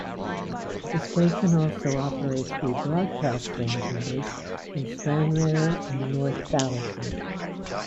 The station also operates rebroadcast transmitters in Stranraer and North Battleford.